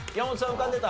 浮かんでた？